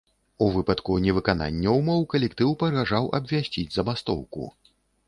У выпадку невыканання ўмоў калектыў пагражаў абвясціць забастоўку.